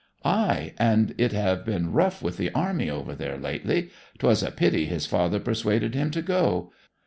'Ay. And it have been rough with the army over there lately. 'Twas a pity his father persuaded him to go.